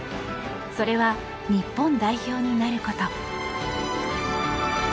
それは、日本代表になること。